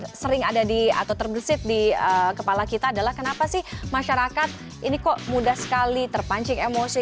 yang sering ada di atau tergesit di kepala kita adalah kenapa sih masyarakat ini kok mudah sekali terpancing emosi